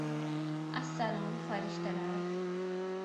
Аssalom, farishtalar!